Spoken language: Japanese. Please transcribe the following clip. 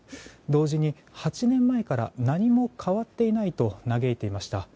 同時に８年前から何も変わっていないと嘆いていました。